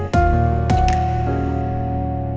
sini kita mulai mencoba